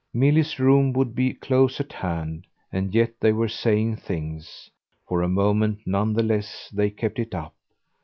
Milly's room would be close at hand, and yet they were saying things ! For a moment, none the less, they kept it up.